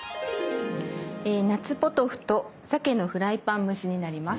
「夏ポトフ」と「さけのフライパン蒸し」になります。